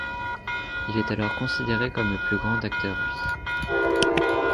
Il est alors considéré comme le plus grand acteur russe.